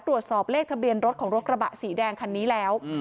ตรวจสอบเลขทะเบียนรถของรถกระบะสีแดงคันนี้แล้ว